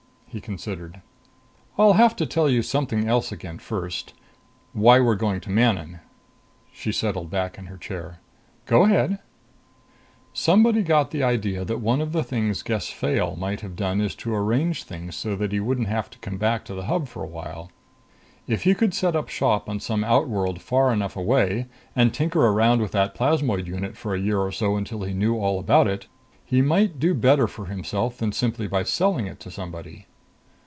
He considered. "I'll have to tell you something else again first why we're going to Manon." She settled back in her chair. "Go ahead." "Somebody got the idea that one of the things Gess Fayle might have done is to arrange things so he wouldn't have to come back to the Hub for a while. If he could set up shop on some outworld far enough away, and tinker around with that plasmoid unit for a year or so until he knew all about it, he might do better for himself than by simply selling it to somebody."